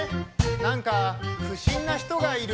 何か不審な人がいる。